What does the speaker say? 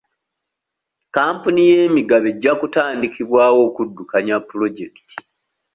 Kampuni y'emigabo ejja kutandikibwawo okuddukanya pulojekiti.